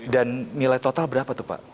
dan nilai total berapa tuh pak